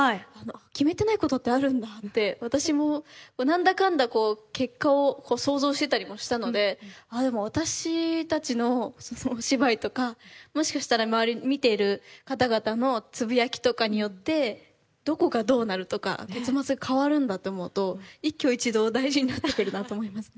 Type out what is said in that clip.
私も何だかんだ結果を想像してたりもしたので私たちのお芝居とかもしかしたら見ている方々のつぶやきとかによってどこがどうなるとか結末が変わるんだって思うと一挙一動大事になってくるなと思いますね。